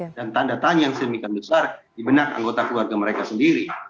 dan juga dia menanggung kekuatan yang sedemikian besar di benak anggota keluarga mereka sendiri